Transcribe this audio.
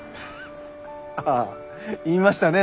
ああ言いましたね